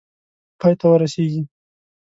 پای ته ورسیږي.